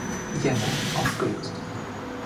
Jänner aufgelöst.